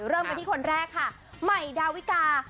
เริ่มกันที่คนแรกค่ะใหม่ดาวิกา